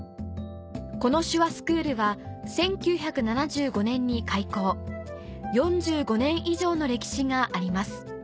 この手話スクールは１９７５年に開講４５年以上の歴史があります